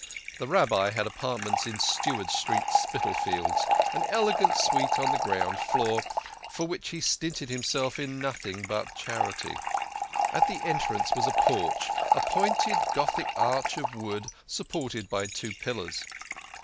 The Rabbi had apartments in Steward Street, Spitalfields, an elegant suite on the ground floor, for he stinted himself in THE KING OF SCHNORRERS. 87 nothing but charity. At the entrance was a porch a pointed Gothic arch of wood supported by two pillars.